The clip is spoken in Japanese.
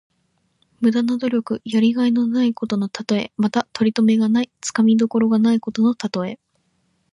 無駄な努力。やりがいのないことのたとえ。また、とりとめがない、つかみどころがないことのたとえ。